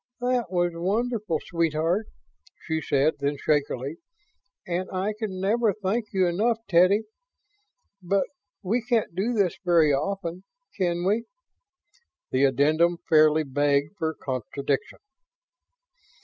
"That was wonderful, sweetheart," she said then, shakily. "And I can never thank you enough, Teddy. But we can't do this very often ... can we?" The addendum fairly begged for contradiction.